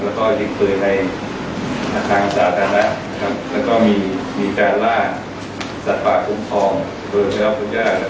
แล้วก็ยึดเผยในอาทางสาธารณะแล้วก็มีการล่าสัตว์ฝากภูมิฟองโดยวิทยาลักษณ์